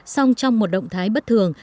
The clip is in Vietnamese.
song trong một động thái bất thường